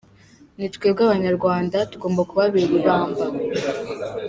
Ni twebwe abanyarwanda tugomba kubabera ibamba.